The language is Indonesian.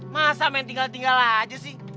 masa main tinggal tinggal aja sih